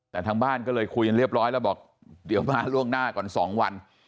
แต่ทางบ้านก็เลยคุยกันเรียบร้อยแล้วบอกเดี๋ยวมาล่วงหน้าก่อน๒วัน